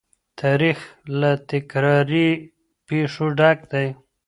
تاريخ له تکراري پېښو ډک دی.